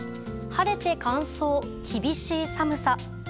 晴れて乾燥、厳しい寒さ。